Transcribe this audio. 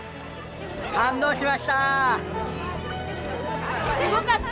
感動しました。